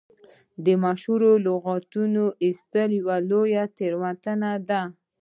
د مشهورو لغتونو ایستل لویه تېروتنه ده.